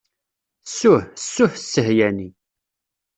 Ssuh, ssuh ssehyani.